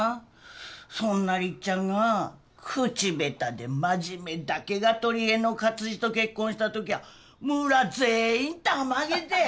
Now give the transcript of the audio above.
そんなりっちゃんが口下手で真面目だけが取りえの勝二と結婚したときゃ村全員たまげて！